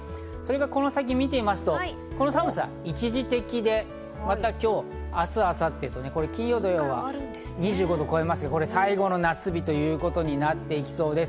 この先見てみますと、この寒さ一時的で、また今日、明日、明後日と金曜、土曜は２５度を超えますが、最後の夏日ということになっていきそうです。